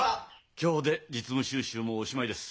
今日で実務修習もおしまいです。